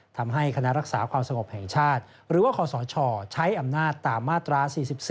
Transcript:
ทำให้คณะรักษาความสงบแห่งชาติหรือว่าคศใช้อำนาจตามมาตรา๔๔